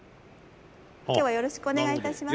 今日はよろしくお願いいたします。